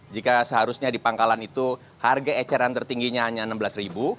jika seharusnya di pangkalan itu harga eceran tertingginya hanya rp enam belas